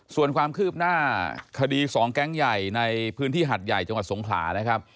ส่วนความคืบหน้าคดี๒แก๊งใหญ่ในพื้นที่หัดใหญ่จังหวัดสงขลานะครับ